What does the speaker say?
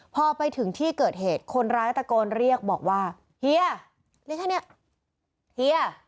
พอไปถึงที่เกิดเหตุคนร้ายตะโกนเรียกบอกว่าเฮียนี่แค่นี้เฮีย